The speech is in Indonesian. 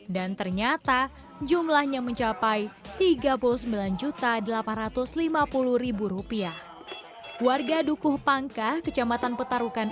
dan ternyata jumlahnya mencapai tiga puluh sembilan juta delapan ratus lima puluh rupiah warga dukuh pangkah kecamatan petarukan